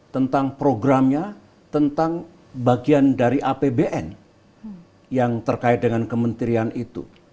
tentang programnya tentang bagian dari apbn yang terkait dengan kementerian itu